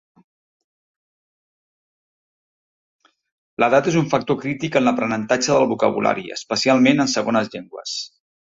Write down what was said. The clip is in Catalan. L'edat és un factor crític en l'aprenentatge del vocabulari, especialment en segones llengües.